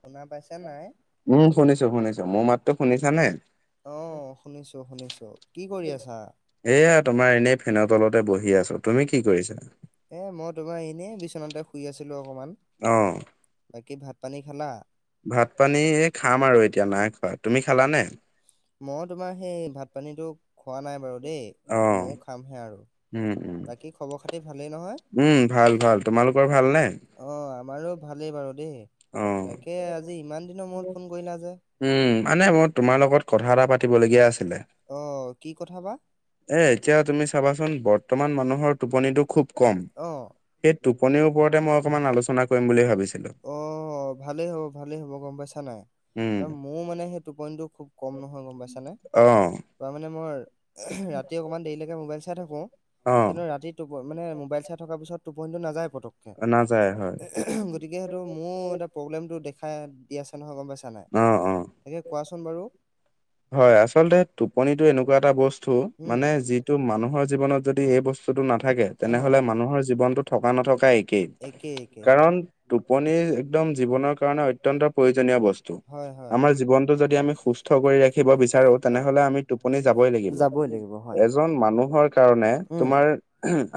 শুনা পাইছ উম শুনিছো-শুনিছো মোৰ মাত্ৰো শুনিছা নে? আহ শুনিছো-শুনিছো কি কৰি আছা? এয়া তোমাৰ এনেই ফেনৰ তলতে বহি আছো, তুমি কি কৰিছা? এ মই তোমাৰ এনে বিচনাতে শুই আছিলো অকনমান অ বাকী ভাত পানী খালা? ভাত পানী খাম আৰু এতিয়া নাই খোৱা, তুমি খালানে? মই তোমাৰ সেই ভাত পানীটো খোৱা নাই বাৰু দেই অ ময়ও খামহে আৰু উম উম বাকী খবৰ খাতি ভালেই নহয়? উম ভাল-ভাল। তোমালোকৰ ভালনে? অ আমাৰো ভালেই বাৰু দেই, অ তাকে আজি ইমান দিনৰ মূৰত ফোন কৰিলা যে উম মানে মই তোমাৰ লগত কথা এটা পাতিবলগীয়া আছিলে। অ কি কথা বা? এ এতিয়া তুমি চাবাচোন বৰ্তমান মানুহৰ টোপনিটো খুব কম অ', সেই টোপনিৰ ওপৰতে মই অকমান আলোচনা কৰিম বুলি ভাবিছিলো অ ভালেই হ'ব-ভালেই হ'ব গম পাইছা নাই উম মোৰ মানে সেই টোপনিটো খুব কম নহয় গম পাইছানে? অঁ তোৱা মানে মই ৰাতি অকণমান দেৰিলৈকে মোবাইল চাই থাকো, অ কিন্তু ৰাতি টোপ মানে মোবাইল চাই থকাৰ পিছত টোপনি টো নাযায়। পতকে নাযায় হ গতিকে সেইটো মোৰ এটা প্ৰব্লেমটো দেখাই। তি আছে নহয়, গম পাইছা নাই? অ অ তাকে কোৱাচোন বাৰু? হয়। আচলতে টোপনিতটো এনেকুৱা এটা বস্তু উম মানে যিটো মানুহৰ জীৱনত যদি এই বস্তুটো নাথাকে। অ তেনেহলে মানুহৰ জীৱনটো থকা নথকা একেই একেই হয় কাৰণ, টোপনি একদম জীৱনৰ কাৰণে অত্যন্ত প্ৰয়োজনীয় বস্ত হয় হয়। আমাৰ জীৱনটো যদি আমি সুস্থ কৰি ৰাখিব বিচাৰো অ, তেনেহলে আমি টোপনি যাবই লাগিব। যাবই লাগিব হয় এজন মানুহৰ কাৰণে উম তোমাৰ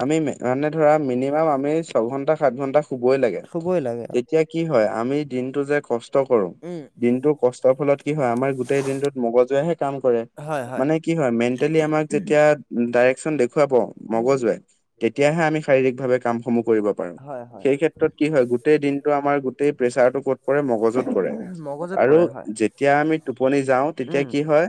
আমি মানে ধৰা মিনিমাম আমি ছঘন্টা সাত ঘন্টা শুবই লাগে। শুভই লাগে। তেতিয়া কি হয়, আমি দিনটো যে কষ্ট উম দিনটো কষ্টৰ ফলত কি হয়। আমাৰ গোটেই দিনটোত মগজুৱে হে কাম কৰে। মানে কি হয়? মেণ্টেলি আমাক যেতিয়া ডাইৰেকচন দেখুৱাব উম মগজুৱে। তেতিয়াহে আমি শাৰীৰিক ভাৱে কামসমূহ কৰিব পাৰো। হয় হয় সেই সেত [unintelligible] কি হয়। গোটেই দিনটো আমাৰ গোটেই প্ৰেচাৰ টো ক'ত পৰে মগজুত পৰে। মগজুত আৰু পৰে হয় যেতিয়া আমি টোপনি যাওঁ, তেতিয়া উম কি হয়।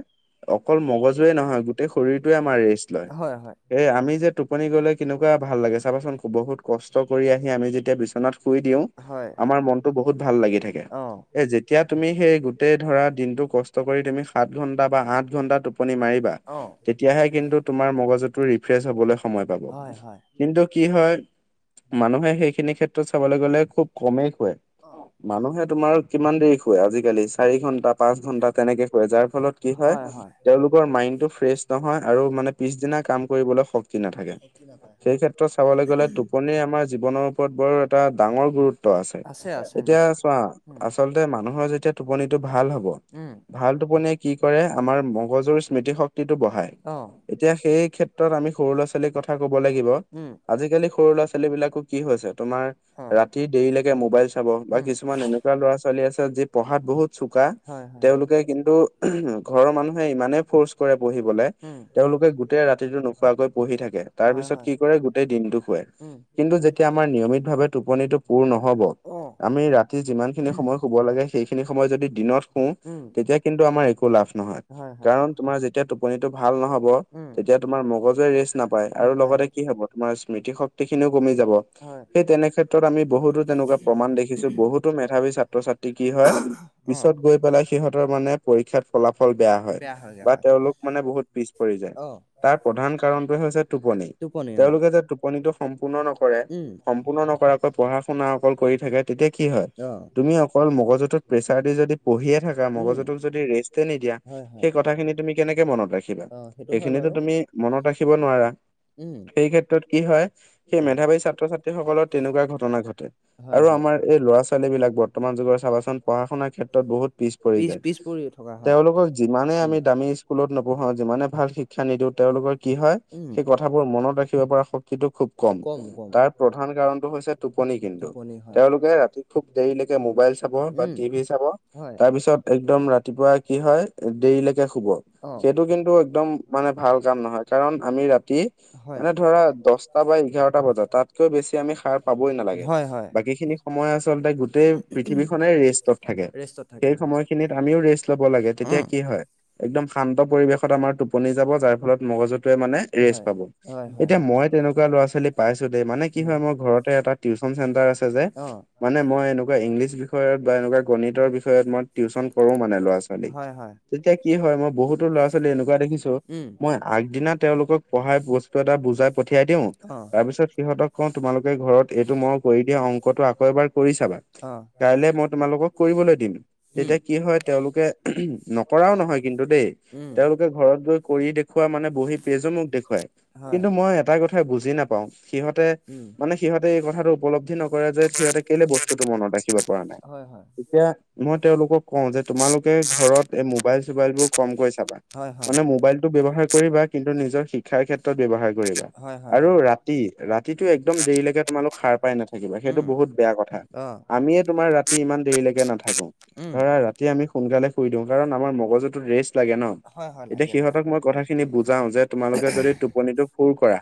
অকল মগজুৱে নহয়। গোটেই শৰীৰটোৱে আমাৰ ৰেষ্ট লয়। হয় হয় এ', আমি যে টোপনি গ'লে কেনেকুৱা ভাল লাগে। চাবচোন বহুত কষ্ট কৰি আহি আমি যেতিয়া বিচনাত শুই দিওঁ। হয় আমাৰ মনতটো বহুত ভাল লাগি থাকে। অ এ', যেতিয়া তুমি সেই গোটেই ধৰা দিনটো কষ্ট কৰি তুমি সাত ঘণ্টা বা আঠ ঘণ্টা টোপনি মাৰিবা অ তেতিয়াহে কিন্তু তোমাৰ মগজুতটো ৰিফ্ৰেছ হ'বলৈ সময় পাব। হয় হয় কিন্তু কি হয়। মানুহে সেইখিনি ক্ষেত্ৰত চাবলৈ গ'লে খুব কমেই শুৱে। অ, মানুহে তোমাৰ কিমান দেৰি শুৱে আজিকালি চাৰি ঘন্টা পাঁচ ঘণ্টা তেনেকে শুৱে যাৰ ফলত কি হয়। তেওঁলোকৰ মাইণ্ডটো ফ্ৰেছ নহয় আৰু মানে পিছদিনা কাম কৰিবলৈ স নাথাকে। শক্তি নাপায় হয়। সেই ক্ষেত্ৰত চাবলৈ গলে টোপনি আমাৰ জীৱনৰ ওপৰত বৰ এটা ডাঙৰ গুৰুত্ব আছে। আছে এতিয়া নিশ্চয় চোৱা উম আচলতে মানুহৰ যেতিয়া টোপনিটো ভাল হ'ব উম ভাল টোপনিয় কি কৰে, আমাৰ মগজুৰ স্মৃতি শক্তিটো বঢ়ায়। অ এতিয়া সেই ক্ষেত্ৰত আমি সৰু ল'ৰা ছোৱালীৰ কথা কব লাগিব। উম আজিকালি সৰু ল'ৰা ছোৱালী বিলাকক কি হৈছে। তোমাৰ অ ৰাতি দেৰিলৈকে মোবাইল চাব বা উম, কিছুমান এনে ল'ৰা ছোৱালী আছে। যি পঢ়াত বহুত চোকা হয় হয়, তেওঁলোকে কিন্তু ঘৰৰ মানুহে ইমানেই ফৰ্চ কৰে। পঢ়িবলে উম, তেওঁলোকে গোটেই ৰাতিটো নোখোৱাকৈ পঢ়ি থাকে। তাৰ হয় পিছত হয়, কি কৰে গোটেই দিনটো শুৱে। উম, কিন্তু যেতিয়া আমাৰ নিয়মিত ভাৱে টোপনিটো পূৰ নহব অ', আমি ৰাতি যিমান যিখিনি সময় শুব লাগে। সেইখিনি সময় যদি দিনত শু উম, তেতিয়া কিন্তু আমাৰ একো লাভ নহয়। হয় হয়, কাৰণ তোমাৰ যেতিয়া টোপনিটো ভাল নহব উম, তেতিয়া তোমাৰ মগজুৱে ৰেষ্ট নাপায় আৰু লগতে কি হব তোমাৰ স্মৃতি শক্তি খিনিও কমি যাব। হয়, সেই তেনেক্ষেত্ৰত আমি বহুতো তেনেুৱা প্ৰমাণ দেখিছো। বহুতো তথাপি ছাত্ৰ ছাত্ৰী কি হয়। অ', পিছত গৈ পেলাই সিহঁতৰ মানে পৰীক্ষাত ফলাফল বেয়া হয়, হয়গে বা হয়, তেওঁলোক মানে বহুত পিছ পৰি যায়। অ', তাৰ প্ৰধান কাৰণটোৱে হৈছে টোপনি। তেওঁলোকে যে টোপনিটো সম্পূৰ্ণ নকৰে, উম, সম্পূৰ্ণ নকৰা কে- পঢ়া শুনা অকল কৰি থাকে তেতিয়া কি হয় অ', তুমি অকল মগজুতত প্ৰেচাৰ দি যদি পঢ়িয়ে থাকা উম, মগজুতুক যদি ৰেষ্টে নিদিয়া- হয় হয়, সেই কথাখিনি তুমি কেনেকে মনত ৰাখিবা অ', সেইটো হয় বাৰু, সেইখিনিতো তুমি মনত ৰাখিব নোৱাৰা। উম, সেই ক্ষেত্ৰত কি হয় সেই অ', মেধাৱাৰী ছাত্ৰ-ছাত্ৰীসকলৰ তেনেকুৱা ঘটনা ঘটে। হয় আৰু হয়, আমাৰ এই ল'ৰা-ছোৱালী- বিলাক বৰ্তমান যুগৰ চাবাচোন পঢ়া শুনাৰ ক্ষেত্ৰত বহুত পিছ পৰি পিছ যায়। পৰি থকা হয়, তেওঁলোকক- যিমানে উম, আমি দামী স্কুলত নপঢ়াওঁ যিমানে ভাল শিক্ষা শিক্ষা নিদিও তেওঁলোকৰ কি হয়' উম, সেই কথাবোৰ মনত ৰাখিব পৰা শক্তিটো খুব কম। তাৰ প্ৰধান কাৰণটো হৈছে টোপনি কিন্তু। টোপনি হয়, তেওঁলোকে ৰাতি- খুব দেৰিলৈকে মোবাইল চাব বা উম, টিভি চাব, হয়, তাৰ- পিছত একদম ৰাতিপুৱা কি হয় দেৰিলৈকে শুব। অ', সেইটো কিন্তু একদম মানে ভাল কাম নহয়, কাৰণ আমি ৰাতি- হয়, মানে ধৰা, দছটা বা এঘাৰটা বজাত তাতকৈ বেছি আমি সাৰ পাবই নালাগে। হয় হয়, বাকীখিনি- সময় আচলতে গোটেই পৃথিৱীখনে ৰেষ্টত থাকে। ৰেষ্টত থাকে সেই হয়, সময়খিনিত আমিও ৰেষ্ট ল'ব লাগে তেতিয়া উম, কি হয়- একদম শান্ত পৰিৱেশত আমাৰ টোপনি যাব যাৰ ফলত মগজুত- তেতিয়া মানে ৰেষ্ট হয়, পাব। হয় হয়, এতিয়া মই তেনেকুৱা ল'ৰা-ছোৱালী পাইছোঁ দেই মানে কি উম, হয় মোৰ ঘৰতে এটা- টিউচন চেণ্টাৰ আছে যে - অ', মানে মই এনেকুৱা ইংলিছ বিষয়ত বা এনেকুৱা গণিতৰ বিষয়ত মই টিউচন কৰো মানে ল'ৰা-ছোৱা- লীক। হয় হয়। তেতিয়া কি হয় মই বহুতো ল'ৰা-ছোৱালী এনেকুৱা দেখিছোঁ উম। মই- আগদিনা তেওঁলোকক পঢ়াই বস্তু এটা বুজাই পঠিয়াই দিওঁ, অ', তাৰ পিছত সিহঁতক- তোমালোকে ঘৰত এইটো মই কৰি দিয়া অংকটো আকৌ এবাৰ- কৰি চাবা, অ'। কাইলৈ মই তোমালোকক কৰিবলৈ দিম, উম, তেতিয়া কি হয় তেওঁলোকে- নকৰাও নহয় কিন্তু দেই- উম, তেওঁলোকে ঘৰত গৈ কৰি দেখুৱা মানে বহি পেইজো মোক দেখুৱাই। হয়। কিন্তু মই এটা কথা- বুজি নাপাওঁ সিহঁতে উম। মানে সিহঁতে এই কথাটো উপলব্ধি নকৰে যে সিহঁতে- কেলেই বস্তুটো মনত ৰাখিব পৰা নাই। হয়, হয়, এতিয়া- মই তেওঁলোকক কওঁ যে তোমালোকে ঘৰত এই মোবাইল-চোবাইল বোৰ কমকৈ চাবা। হয়, হয়, মানে মোবাইল- টো ব্যৱহাৰ কৰিবা, কিন্তু নিজৰ শিক্ষাৰ ক্ষেত্ৰত ব্যৱহাৰ কৰিবা। হয়, হয়, আৰু হয়। ৰা- তি ৰাতিটো একদম দেৰিলৈকে তোমালোক সাৰ পাই নাথাকিবা, সেইটো বহুত- বেয়া কথা। অ', আমিয়ে তোমাৰ ৰা- যি ইমান দেৰিলৈকে নাথোকো। ধৰা ৰাতি আমি সোনকালে শুই দিওঁ, কাৰণ আমাৰ মগজুতো ৰেষ্ট- লাগে ন। হয়, হয়, তেতিয়া লাগে, লাগে। সিহঁতক মই কথা খিনি বুজাও যে তোমালোকে যদি টোপনিটো পুৰ কৰা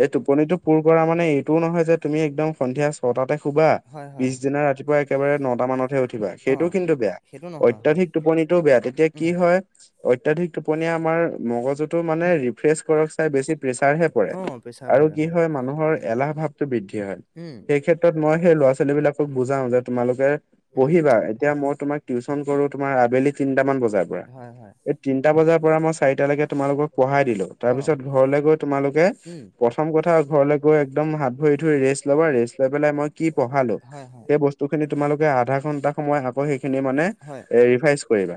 যে- টোপনিটো পূৰ কৰা মানে এইটোও নহয় যে তুমি একদম সন্ধিয়া ছটাতে শুবা- হয়, হয়, পিছদিনা ৰাতিপুৱা একেবাৰে নটা মানতহে উঠি- বা অ', সেইটোও কিন্তু বেয়া। সেইটো নহয় হয়। অত্যাধিক টোপনিটোও বেয়া, তেতিয়া কি হয়- অত্যাধিক টোপনিয়ে আমাৰ মগজুটো মানে ৰিফ্ৰেছ কৰাক চাই বেছি- প্ৰেছাৰহে পৰে, অ', প্ৰেছাৰ আৰু পৰে কি হয় মানুহৰ এলাহ ভাৱটো বৃদ্ধি হয়। সেই ক্ষেত্ৰ- ত মই সেই ল'ৰা-ছোৱালী বিলাকক বুজাও যে তোমালোকে- পঢ়িবা। এতিয়া মই তোমাক টিউচন কৰো তোমাৰ আবেলি তিনটামান বজাত। হয়, হয়, এই তিনটা বজাৰ পৰা মই চাৰিটা লৈকে তোমালোকক পঢ়াই দিলোঁ, তাৰ পিছত- ঘৰলে গৈ তোমালোকে- উমঁ। প্ৰথম কথা ঘৰলৈ গৈ একদম হাত ভৰি ধুই ৰেষ্ট ল'বা। ৰেষ্ট লৈ পেলাই মই কি পঢ়ালো, হয়, হয়, সেই বস্তু খিনি তোমালোকে আধা ঘন্টা সময় আকৌ সেইখিনি মানে হয়। অ', এ ৰিভাইচ কৰিবা।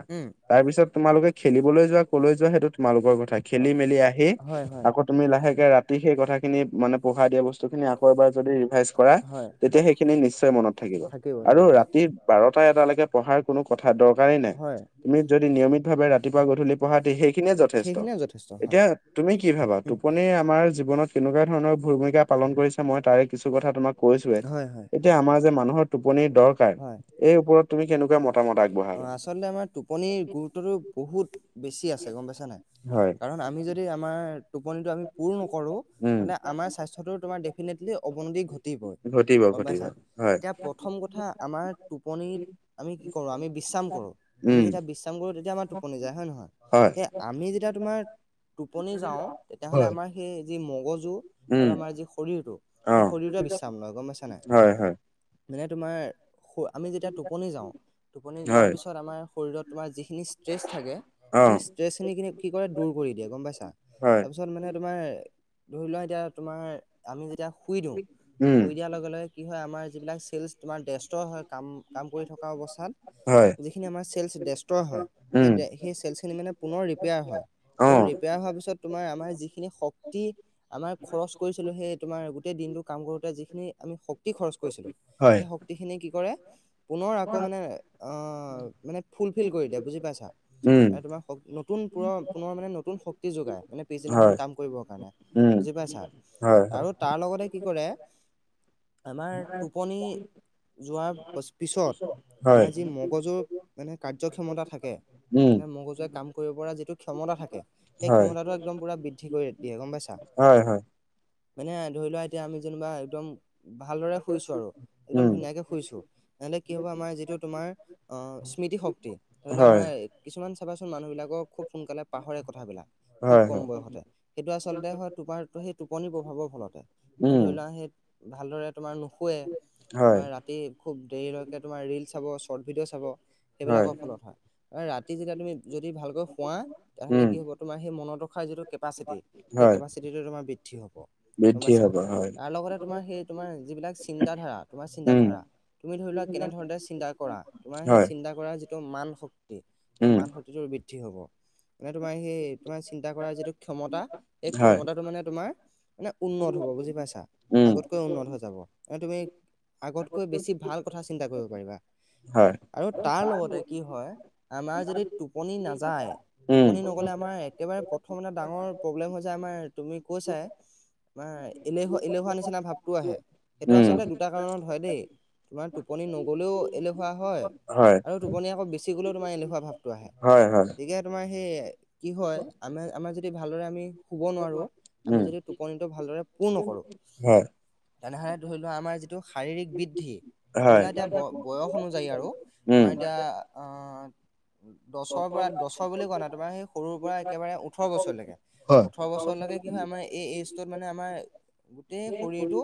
তাৰপিছত তোমালোকে খেলিবলৈ যোৱা কলৈ যোৱা সেইটো তোমালোকৰ কথা। খেলি-মেলি আহি হয়, হয়, আকৌ তুমি লাহেকে ৰাতি সেই কথাখিনি মানে পঢ়াই দিয়া বস্তু খিনি আকৌ এবাৰ যদি ৰিভাইচ কৰা। হয়, তেতিয়া সেইখিনি নিশ্চয় মনত থাকিব। আৰু ৰাতি বাৰটা-এটালৈকে পঢ়াৰ কোনো কথা দৰকাৰেই নাই। হয়, তুমি যদি নিয়মিত ভাৱে ৰাতিপুৱা গধূলি পঢ়া তে সেইখিনিয়ে যথেষ্ট। সেইখিনিয়ে যথেষ্ট হয়, এতিয়া, তুমি কি ভাবা? টোপনিয়ে আমাৰ জীৱনত কেনেকুৱা ধৰণৰ ভূমিকা পালন কৰিছে মই তাৰে কিছু কথা তোমাক কৈছোয়ে। হয়, হয়, এতিয়া আমাৰ যে মানুহৰ টোপনিৰ দৰকাৰ, হয়। এই ওপৰত তুমি কেনেকুৱা মতামত আগবঢ়া অ আচলতে আমাৰ টোপনিৰ গুৰুত্বটো বহুত বেছি আছে গম পাইছ নাই হয়, কাৰণ আমি য দি আমাৰ টোপনিটো আমি পোৰ নকৰো উম, আমাৰ স্বাস্থ্যতো ডেফিনেটলি অৱনতি ঘ ঘটিব গম ঘটিব পাইছা? হয়, এতিয়া প্ৰথম কথা আমাৰ টোপনিত আমি কি কৰো আমি বিশ্ৰাম কৰো, আমি উম, যেতিয়া বিশ্ৰাম কৰো তেতিয়া আমাৰ টো টোপনি যায় হয় নহয়, হয়, সেই আমি যেতিয়া তোমাৰ টোপনি যাওঁ তেতিয়াহ'লে আমাৰ সেই যি মগজু আৰু উম, আমাৰ যি শৰীৰটো। সেই অ', শৰীৰটোয়ে বিশ্ৰাম লয় গম পাইছা নাই? হয়, হয়, মানে তোমাৰ আমি যেতিয়া টোপনি যাওঁ, টোপনি যোৱাৰ হয়, পিছত আমাৰ শৰীৰত তোমাৰ যিখিনি ষ্ট্ৰেছ থাকে অ', সেই ষ্ট্ৰেছ খিনি কিনি কৰে দূৰ কৰি দিয়ে। গম পাইছা? হয়, তাৰপিছত মানে তোমাৰ ধৰি লোৱা এতিয়া তোমাৰ আমি যেতিয়া শুই দিওঁ, উম, শুই দিয়াৰ লগে লগে কি হয় আমাৰ যিবিলাক চেলচ তোমাৰ ব্যস্ত হয় কাম কাম কৰি থকা হয়, অৱস্থাত। যিখিনি আমাৰ চেলচ ডেষ্ট্ৰ হয়, উম, সেই সেই চেলচ খিনি মানে পুনৰ ৰিপেয়াৰ হয়। আৰু অ'। ৰিপেয়াৰ হোৱাৰ পিছত তোমাৰ আমাৰ যিখিনি শক্তি। আমাৰ খৰচ কৰিছিলো সেই তোমাৰ গোটেই দিনটো কাম কৰোতে যিখিনি আমি শক্তি খৰচ কৰিছিলো। হয়, সেই শক্তিখিনি কি কৰে। পুনৰ আকৌ মানে অ' মানে ফুলফিল কৰি দিয়ে। বুজি পাইছা? উম, তোমাৰ নতুন পু-পুনৰ মানে নতুন শক্তি যোগায় মানে পিছদিনাখন হয়, কাম কৰিবৰ কাৰণে। উম, বুজি পাইছা? হয়, হয়, আৰু তাৰ লগতে কি কৰে। আমাৰ টোপনি যোৱাৰ পিছত। হয়, আমাৰ যি মগজুৰ মানে কাৰ্যক্ষমতা থাকে। উম। মানে মগজুৱে কাম কৰিব পৰা যিটো ক্ষমতা থাকে। সেই হয়, ক্ষমতাটো একদম পুৰা বৃদ্ধি কৰি দিয়ে। গম পাইছা? হয় হয়। মানে ধৰি লোৱা এতিয়া আমি যেনিবা একদম ভালদৰে শুইছো আৰু একদম উম, ধুনীয়াকে শুইছো। তেন্তে কি হ'ব আমাৰ যিটো তোমাৰ আহ স্মৃতিশক্তি ধৰি লও হয়, আমাৰ। কিছুমান চাবাচোন, মানুহবিলাকৰ খুব সোনকালে পাহৰে কথাবিলাক খুব হয়, কম হয়, বয়সতে সেইটো আচলতে হয়। তোমাৰ সেই টোপনিৰ প্ৰভাৱৰ ফলতে, এ উম, ধৰি লোৱা সেই ভালদৰে তোমাৰ নুশুৱে, হয়, তোমাৰ ৰাতি খুব দেৰিলৈকে তোমাৰ ৰিল চাব, চৰ্ত ভিডিঅ' চাব। হয়, সেইবিলাকৰ ফলত হয় ৰাতি যেতিয়া তুমি যদি ভালকৈ শুৱা তেতিয়াহ'লে উম, কি হ'ব। তোমাৰ সেই মনত ৰখাৰ যিটো কেপাচিটি সেই হয়, কেপাচিটিটো তোমাৰ বৃদ্ধি হব। গম বৃদ্ধি পাইছা। হ'ব। হয়, তাৰ লগতে তোমাৰ সেই তোমাৰ যিবিলাক চিন্তাধাৰা, তোমাৰ উম, চিন্তাধাৰা। তুমি ধৰি লোৱা কেনেধৰণে চিন্তা কৰা তোমাৰ সেই হয়, চিন্তা কৰা যি টো মান শক্তি সেই উম, মান শক্তিটো বৃদ্ধি হ'ব। মানে তোমাৰ সেই তোমাৰ চিন্তা কৰা যিটো ক্ষমতা সেই হয়, ক্ষমতাটো মানে তোমাৰ মানে উন্নত হ'ব বুজি পাইছা। উম, আগতকৈ উন্নত হৈ যাব। এ তুমি আগতকৈ বেছি ভাল কথা চিন্তা কৰিব পাৰিবা। হয়, আৰু তাৰ লগতে কি হয় আমাৰ যদি টোপনি নাযায় উম, টোপনি নগলে আমাৰ একেবাৰে প্ৰথম এটা ডাঙৰ প্ৰব্লেম হৈ [unintelligible] আমাৰ তুমি কৈছাই আমাৰ এলেহুৱা-এলেহুৱা নিচিনা ভাৱটো আহে। সেইটো উম। আচলতে দুটা কাৰণত হয় দেই। তোমাৰ টোপনি নগলেও এলেহুৱা হয়। হয়, আৰু টোপনি আকৌ বেছি গ'লেও তোমাৰ এলেহুৱা ভাৱটো আহে। হয়, হয়, গতিকে তোমাৰ সেই কি হয় আমাৰ-আমাৰ যদি ভালদৰে আমি শুব নোৱাৰো। উম, আমি যদি টোপনিটো ভালদৰে পূৰ নকৰোঁ। হয়, তেনেহলে ধৰি লোৱা আমাৰ যিটো শাৰীৰিক বৃদ্ধি ধৰি হয়। লোৱা এতিয়া ব-বয়স অনুযায়ী আৰু উম, তোমাৰ এতিয়া আহ দছৰ পৰা দছৰ বুলি কোৱা নাই তোমাৰ সেই সৰুৰ পৰা একেবাৰে ওঠৰ বছৰলৈকে। হয়, ওঠৰ বছৰলৈকে কি হয় আমাৰ এই এইজটোত মানে আমাৰ গোটেই শৰীৰটো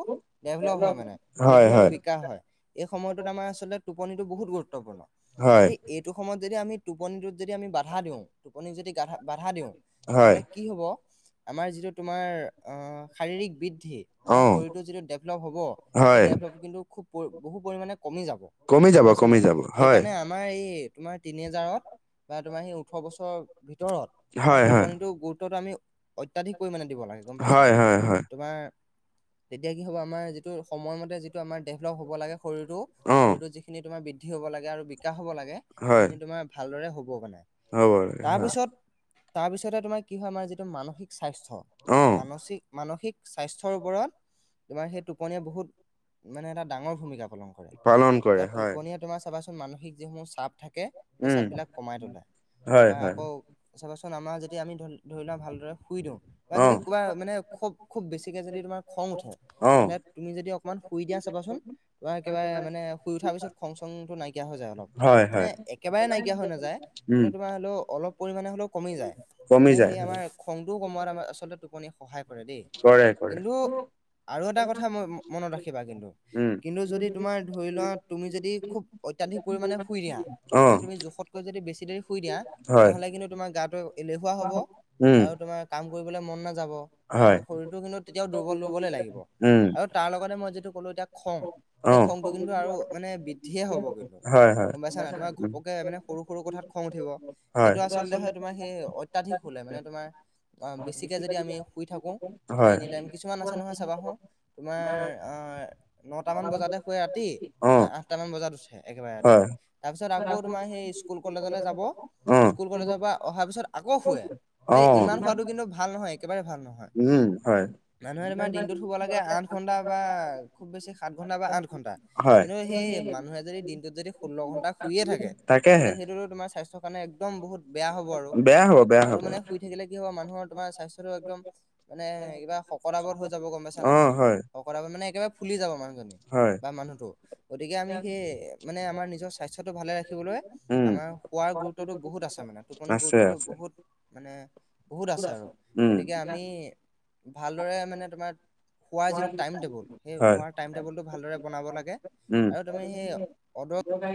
ডেভলপ হয় মানে। হয়, বৃদ্ধি আৰু হয়। বিকাশ হয় এই সময়টোত আমাৰ আচলতে টোপনিটো বহুত গুৰুত্বপূৰ্ণ। হয়। যদি এইটো সময়ত যদি আমি টোপনিটোত যদি আমি বাধা দিওঁ, টোপনিক যদি গা বাধা দিওঁ। হয়, তেনেহ'লে কি হ'ব আমাৰ যিটো তোমাৰ আহ শাৰীৰিক বৃদ্ধি আমাৰ অ', শৰীৰটো যিটো ডেভলপ হ'ব সেই হয়, ডেভলপ কিন্তু খুব [unintelligible] বহু পৰিমাণে কমি যাব। কমি যাব, গম পাইছা কমি নাই? যাব, হয়। সেইকাৰণে আ আমাৰ এই তোমাৰ তিনেজাৰত বা তোমাৰ সেই ওঠৰ বছৰ ভিতৰত হয়, আমাৰ হয়, টোপনিতো গুৰুত্বটো আমি অত্যাধিক পৰিমাণে দিব লাগে গম পাইছা? হয়, হয়, হয়, তোমাৰ তেতিয়া কি হ'ব আমাৰ যিটো সময়মতে যিটো আমাৰ ডেভেলপ হ'ব লাগে শৰীৰটো। অ', শৰীৰটোৰ যিখিনি তোমাৰ বৃদ বৃদ্ধি হ'ব লাগে আৰু বিকাশ হ'ব লাগে হয়, সেইখিনি তোমাৰ ভালদৰে হ'ব মানে। হ'ব লাগে হয়, তাৰপিছত তাৰপিছতে তোমাৰ কি হয় আমাৰ যিটো মানসিক স্বাস্থ্য। অ', মানসিক-মানসিক স্বাস্থ্যৰ ওপৰত তোমাৰ সেই টোপনিয়ে বহুত মানে এটা ডাঙৰ ভূমিকা পালন কৰে। পালন কৰে এয়া হয়। টোপনিয়ে তোমাৰ চাবা চোন মানসিক যিসমূহ চাপ থাকে সেই উম, চাপ বিলাক কমাই তোলে। হয় তাৰপৰা হয় আকৌ চাবা চোন আমাৰ যদি আমি ধৰ-ধৰি লোৱা ভালদৰে শুই দিওঁ বা যদি অ'। ক'ৰবাৰ মানে খুব-খুব বেছিকে যদি তোমাৰ খং উঠে, অ', এনে তুমি যদি অকমান শুই দিয়া চাবা চোন তোমাৰ একেবাৰে মানে শুই উঠাৰ পিছত খং-চংটো নাই নাইকিয়া হৈ যায় অলপ। হয় মানে হয় একেবাৰে নাইকিয়া হৈ নাযায় উম, কিন্তু তোমাৰ হ'লেও অলপ পৰিমাণে হ'লেও কমি যায়। কমি মানে যায় সেই আমাৰ খংটোও কমোৱাত আমাৰ আচলতে টোপনি সহায় কৰে দেই। কৰে কৰে কিন্তু আৰু এটা কথা ম-মনত ৰাখিবা কিন্তু। উম। কিন্তু যদি তোমাৰ ধৰি লোৱা তুমি যদি খুব অত্যাধিক পৰিমাণে শুই দিয়া, অ', তুমি জোখতকৈ যদি বেছি দেৰি শুই দিয়া হয় তেনেহ'লে কিন্তু তোমাৰ গাটো এলেহুৱা হ'ব উম, আৰু তোমাৰ কাম কৰিবলৈ মন নাযাব। তোমাৰ হয় শৰীৰটো কিন্তু তেতিয়াও দুৰ্বল দুৰ্বলে লাগিব। উম, আৰু তাৰ লগতে মই যিটো ক'লো এতিয়া খং। সেই অ'। খংটো কিন্তু আৰু মানে বৃদ্ধিয়ে হ'ব গৈ হয় হয় গম পাইছা নাই। তোমাৰ উম, ঘপকে মানে সৰু-সৰু কথাত খং উঠিব। হয়। হে অত্যাধিক হুলে মানে তোমাৰ বেছিকে যদি আমি শুই থাকো বা হয়। Any time. কিছুমান আছে নহয় চাবা হু। তোমাৰ আহ ন টা মান বজাতে শুৱে ৰাতি অ', আঠটামান বজাত উঠে। একেবাৰে হয় ৰাতিপুৱা তাৰ পিছত আকৌ তোমাৰ সেই। স্কুল কলেজলৈ যাব অ', স্কুল কলেজৰ পৰা অহা পিছত আকৌ শুৱে এই অ'। ইমান হুৱাটো কিন্তু। ভাল নহয় একেবাৰে ভাল নহয়। উম, হয় মানুহে তোমাৰ দিনটোত শুব লাগে আঠ ঘণ্টা বা খুব বেছি সাত ঘণ্টা বা আঠ ঘণ্টা। হয় কিন্তু সেই মানুহে যদি দিনটোত যদি ষোল্ল ঘন্টা শুইয়ে থাকে তেহলে তাকেহে সেইটোতো তোমাৰ স্বাস্থ্য। মানে একদম বহুত বেয়া হ'ব আৰু। বেয়া হ'ব বেয়া আৰু হ'ব। মানে। শুই থাকিলে কি হ'ব মানুহৰ তোমাৰ স্বাস্থ্যটো একদম মানে কিবা শকত- আবত হৈ যাব গম পাইছা নাই। অ', হয় শকত -আবত মানে একেবাৰে ফুলি যাব মানুহজন। হয়। বা মানুহটো। গতিকে আমি সেই মানে আমাৰ নিজৰ স্বাস্থ্যটো ভালে ৰাখিবলৈ। উম আমাৰ শুৱাৰ গুৰুত্বতটো বহুত আছে মানে টোপন আছে গুৰুত্বটো আছে বহুত মানে। বহুত আছে আৰু উম গতিকে আমি ভালদৰে মানে তোমাৰ। খোৱা যিটো টাইম টেবুল সেই হয় খোৱাৰ টাইম টেবুলটো ভালদৰে বনাব লাগে। আৰু তুমি সেই অদ। দৰকাই।